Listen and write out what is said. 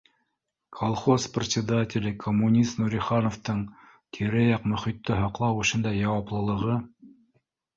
— Колхоз председателе коммунист Нурихановтың тирә- яҡ мөхитте һаҡлау эшендә яуаплылығы